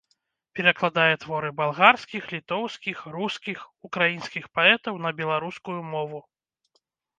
Перакладае творы балгарскіх, літоўскіх, рускіх, украінскіх паэтаў на беларускую мову.